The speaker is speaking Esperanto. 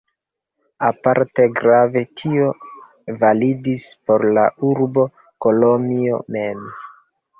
Aparte grave, tio validis por la urbo Kolonjo mem.